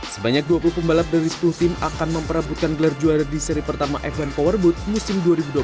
sebanyak dua puluh pembalap dari sepuluh tim akan memperebutkan gelar juara di seri pertama f satu powerboat musim dua ribu dua puluh